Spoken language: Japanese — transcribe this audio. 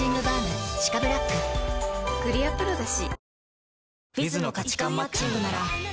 クリアプロだＣ。